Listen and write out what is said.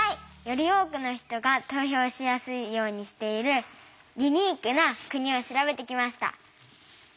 より多くの人が投票しやすいようにしているユニークな国を調べてきました。